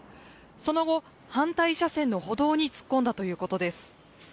その後、反対車線の歩道に突っ込んだということです。